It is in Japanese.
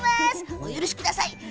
お許しください。